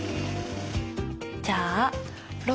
じゃあ６。